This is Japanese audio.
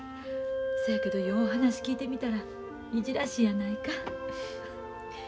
そやけどよう話聞いてみたらいじらしいやないか。